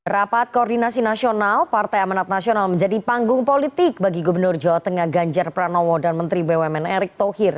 rapat koordinasi nasional partai amanat nasional menjadi panggung politik bagi gubernur jawa tengah ganjar pranowo dan menteri bumn erick thohir